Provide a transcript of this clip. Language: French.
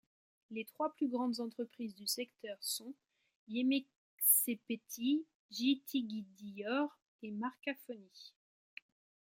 Les trois plus grandes entreprises du secteur sont Yemeksepeti, Gittigidiyor et Markafoni.